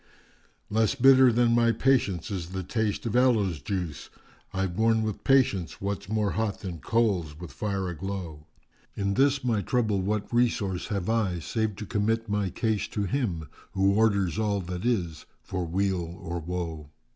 Less bitter than my patience is the taste of aloes juice; * I've borne with patience what's more hot than coals with fire aglow. In this my trouble what resource have I, save to commit * My case to Him who orders all that is, for weal or woe?"